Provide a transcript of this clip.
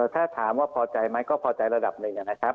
ถ้าถามว่าพอใจไหมก็พอใจระดับหนึ่งนะครับ